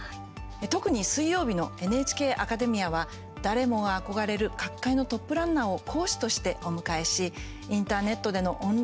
特に水曜日の「ＮＨＫアカデミア」は誰もが憧れる各界のトップランナーを講師としてお迎えし、インターネットでのオンライン講座と、放送を